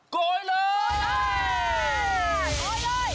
โกยเลย